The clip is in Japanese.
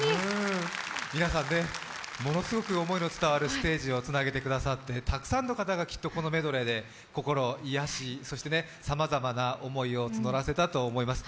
皆さん、ものすごく思いの伝わるステージをつなげてくださってたくさんの方がきっとこのメドレーで心を癒やしそして、さまざまな思いを募らせたと思います。